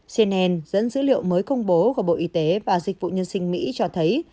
cnn dẫn dữ liệu mới công bố của bộ y tế và dịch vụ nhân sinh mỹ cho thấy